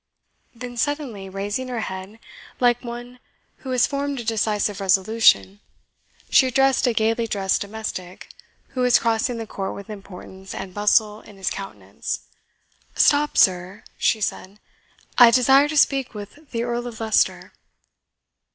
Then suddenly raising her head, like one who has formed a decisive resolution, she addressed a gaily dressed domestic, who was crossing the court with importance and bustle in his countenance, "Stop, sir," she said; "I desire to speak with, the Earl of Leicester."